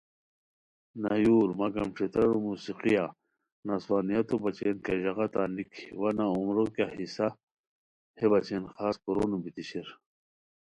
نایورمگر ݯھترارو موسیقیہ نسوانیتو بچین کیہ ژاغہ تان نِکی وا نہ عمرو کیہ حصہ ہے بچین خاص کورونو بیتی شیر